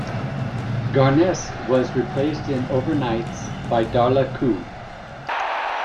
Garnes was replaced in overnights by Darla Coop.